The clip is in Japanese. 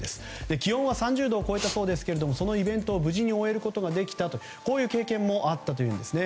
気温は３０度を超えたそうですがそのイベントを無事に終えることができたとこういう経験もあったということです。